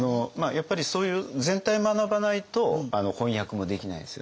やっぱりそういう全体を学ばないと翻訳もできないですよね。